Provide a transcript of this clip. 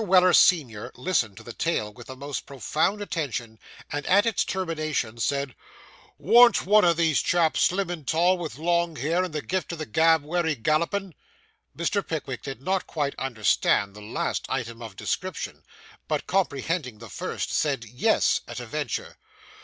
Weller, senior, listened to the tale with the most profound attention, and, at its termination, said 'Worn't one o' these chaps slim and tall, with long hair, and the gift o' the gab wery gallopin'?' Mr. Pickwick did not quite understand the last item of description, but, comprehending the first, said 'Yes,' at a venture.